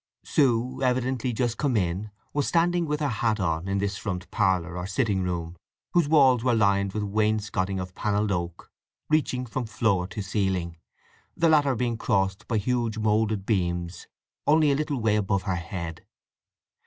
Sue, evidently just come in, was standing with her hat on in this front parlour or sitting room, whose walls were lined with wainscoting of panelled oak reaching from floor to ceiling, the latter being crossed by huge moulded beams only a little way above her head.